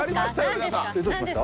皆さんどうしました？